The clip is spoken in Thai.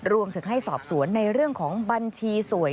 รวมถึงให้สอบสวนในเรื่องของบัญชีสวย